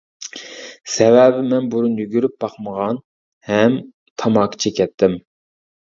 سەۋەبى مەن بۇرۇن يۈگۈرۈپ باقمىغان ھەم تاماكا چېكەتتىم.